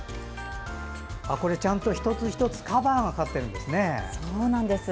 ちゃんと１つずつカバーがかかってるんですね。